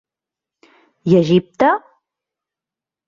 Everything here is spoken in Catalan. I Egipte?